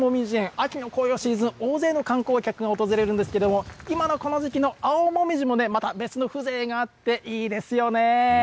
秋の紅葉シーズン、大勢の観光客、訪れるんですけど今のこの時期の青もみじも別の風情があっていいですよね。